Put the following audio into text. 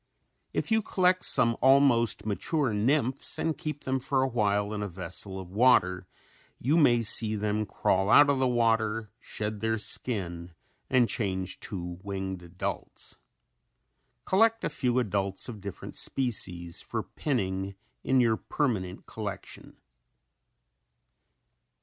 If you collect some almost mature nymphs and keep them for a time in a vessel of water you may see them crawl out of the water, shed their skin and change to winged adults. Collect a few adults of different species for pinning in your permanent collection.